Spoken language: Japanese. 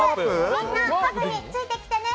みんな僕についてきてね。